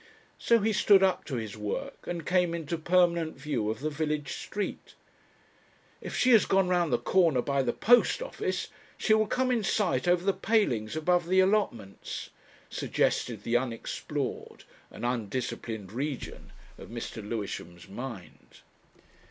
So he stood up to his work, and came into permanent view of the village street. "If she has gone round the corner by the post office, she will come in sight over the palings above the allotments," suggested the unexplored and undisciplined region of Mr. Lewisham's mind....